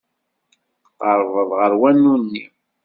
Tqerrbeḍ ɣer wanu-nni.